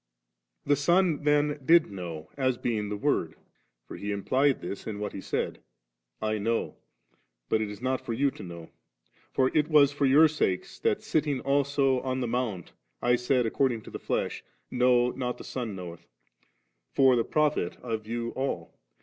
49. The Son then did know, as being die Word; for He implied this in what He said,— ' I know, but it is not for you to know ; for it was for your sakes that sitting also cm the mount I said according to the flesh, * No, not the Son luioweth,' for the profit of you and aU.